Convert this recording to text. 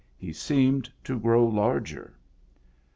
He seemed to grow larger.